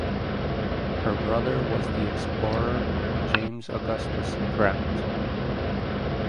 Her brother was the explorer James Augustus Grant.